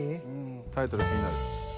タイトル気になる。